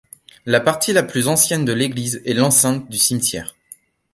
La partie la plus ancienne de l'église est l'enceinte du cimetière.